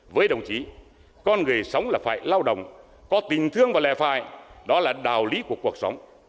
với đồng chí con người sống là phải lao động có tình thương và lè phải đó là đạo lý của cuộc sống